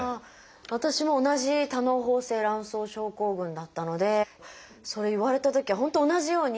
私も同じ「多嚢胞性卵巣症候群」だったのでそれ言われたときは本当同じように。